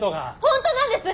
本当なんです！